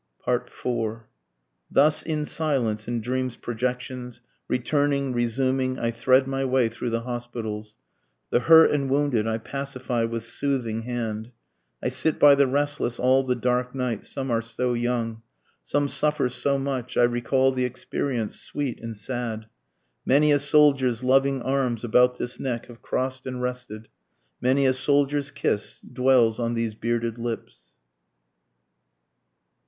4 Thus in silence in dreams' projections, Returning, resuming, I thread my way through the hospitals, The hurt and wounded I pacify with soothing hand, I sit by the restless all the dark night, some are so young, Some suffer so much, I recall the experience sweet and sad, (Many a soldier's loving arms about this neck have cross'd and rested, Many a soldier's kiss dwells on these bearded lips.)